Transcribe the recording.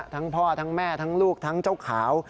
ทั้งพ่อทั้งแม่ทั้งลูกทั้งเจ้าขาว